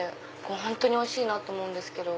本当においしいなぁと思うんですけど。